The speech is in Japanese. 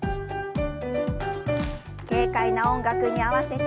軽快な音楽に合わせて。